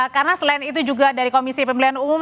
karena selain itu juga dari komisi pemilihan umum